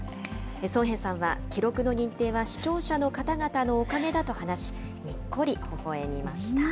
ソン・ヘさんは、記録の認定は視聴者の方々のおかげだと話し、にっこりほほえみました。